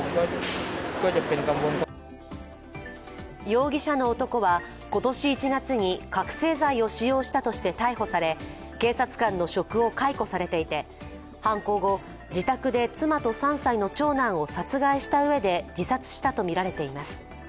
容疑者の男は今年１月に覚醒剤を使用したとして逮捕され警察官の職を解雇されていて犯行後、自宅で妻と３歳の長男を殺害したうえで自殺したとみられています。